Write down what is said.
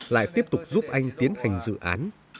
lại tiếp tục giúp anh tiến hành dự án